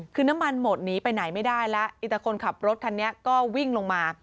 คือน้ำมันหมดหนีไปไหนไม่ได้แล้วอิตาคนขับรถคันนี้ก็วิ่งลงมา